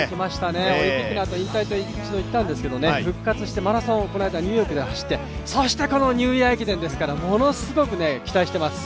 オリンピックのあと、引退と一度言ったんですけど復活してマラソンをこの間、ニューヨークで走って、そしてこのニューイヤー駅伝ですからものすごく期待しています。